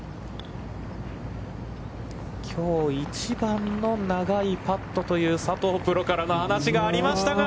きょう一番の長いパットという佐藤プロからの話がありましたが。